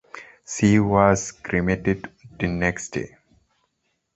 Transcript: She was cremated the next day.